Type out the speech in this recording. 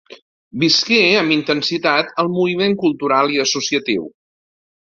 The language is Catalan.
Visqué amb intensitat el moviment cultural i associatiu.